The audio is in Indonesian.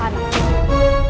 kau ingin menanggung aku